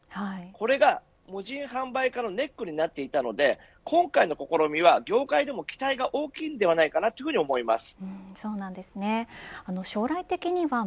これが無人販売化のネックになっていたので今回の試みは、業界でも期待が大きいのではないかと思います。